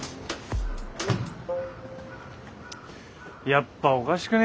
やっぱおかしくね？